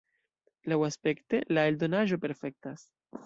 Laŭaspekte la eldonaĵo perfektas.